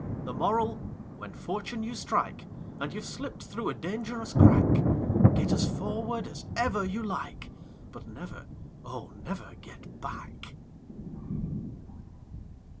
The Moral: When fortune you strike, And you've slipped through a dangerous crack, Get as forward as ever you like, But never, oh, never get back!